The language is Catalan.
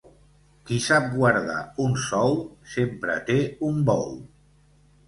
Qui sap guardar un sou sempre té un bou.